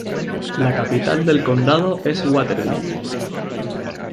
La capital del condado es Waterville.